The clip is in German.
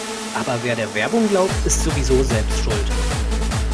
Aber wer der Werbung glaubt, ist sowieso selbst schuld.